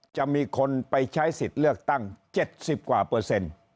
จะมีคนไปใช้สิทธิ์เลือกตั้ง๗๐กว่าเปอร์เซ็นต์